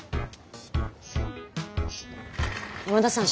山田さん